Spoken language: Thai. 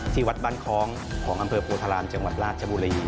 ที่วัดบ้านคล้องของอำเภอโพธารามจังหวัดราชบุรี